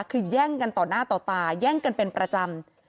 คือแย่งกันต่อหน้าต่อตาแย่งกันเป็นประจำ